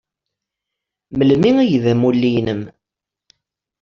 Melmi ay d amulli-nnem?